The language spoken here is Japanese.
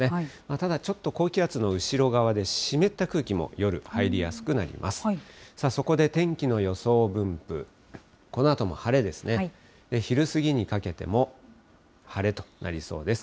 ただ、ちょっと高気圧の後ろ側で湿った空気も夜、入りやすくなります。